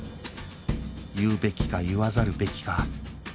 言うべきか言わざるべきか